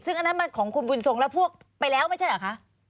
ซึ่งอันนั้นมันของคุณบุญทรงและพวกไปแล้วไม่ใช่เหรอคะ